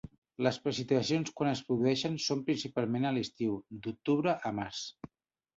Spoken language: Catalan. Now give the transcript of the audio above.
Les precipitacions, quan es produeixen, són principalment a l’estiu, d’octubre a març.